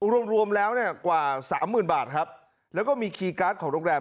รวมรวมแล้วเนี่ยกว่าสามหมื่นบาทครับแล้วก็มีคีย์การ์ดของโรงแรม